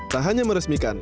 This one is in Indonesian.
tak hanya menemukan